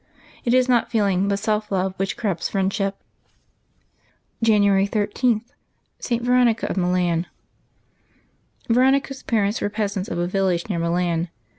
It is not feeling, but self love, which corrupts friendship. January 13.— ST. VERONICA OF MILAN. Veronica's parents were peasants of a village near Milan.